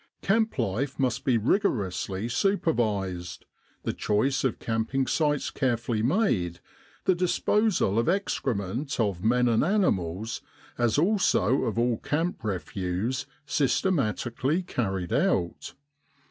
Camp life must be rigorously supervised, the choice of camping sites carefully made, the disposal of excrement of men and animals, as also of all camp refuse, systematically carried out.